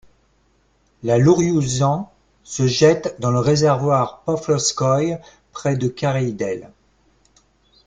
La Iouriouzan se jette dans le réservoir Pavlovskoïe près de Karaïdel.